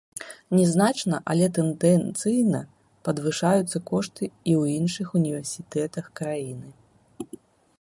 Не значна, але тэндэнцыйна падвышаюцца кошты і ў іншых універсітэтах краіны.